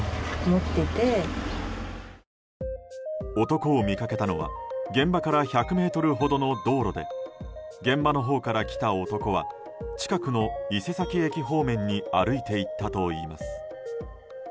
男を見かけたのは現場から１００ｍほどの道路で現場のほうから来た男は近くの伊勢崎駅方面に歩いていったといいます。